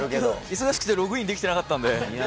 忙しくてログインできてなかったんで。